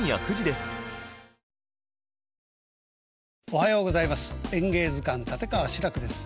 おはようございます。